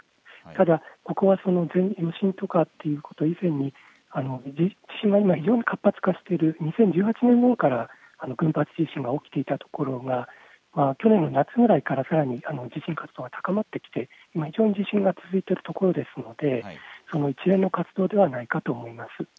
ただ、ここは余震とかいうこと以前に地震活動が非常に２０１８年ごろから群発地震が起きていたところ、それが去年の夏ぐらいからさらに地震活動が高まっていて地震が続いているところですので一連の活動ではないかと思います。